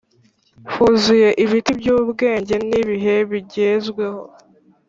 huzuye ibiti byubwenge nibihe bigezweho;